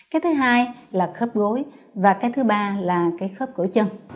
cái thứ hai là khớp gối và cái thứ ba là cái khớp cổ chân